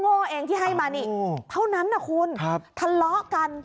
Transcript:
โง่เองที่ให้มานี่เท่านั้นนะคุณทะเลาะกัน